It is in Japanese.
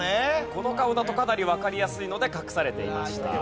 この顔だとかなりわかりやすいので隠されていました。